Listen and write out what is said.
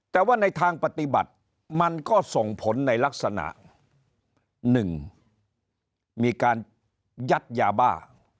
แต่ว่าในทางปฏิบัติมันก็ส่งผลในลักษณะ๑มีการยัดยาบ้า